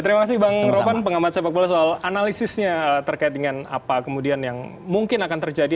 terima kasih bang ropan pengamat sepak bola soal analisisnya terkait dengan apa kemudian yang mungkin akan terjadi